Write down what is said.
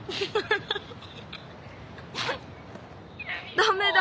ダメだ。